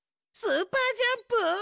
スーパージャンプ？